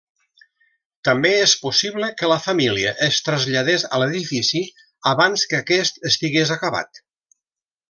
També és possible que la família es traslladés a l'edifici abans que aquest estigués acabat.